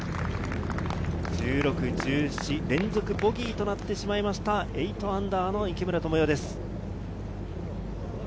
１６、１７、連続ボギーとなってしまいました、−８の池村寛世です。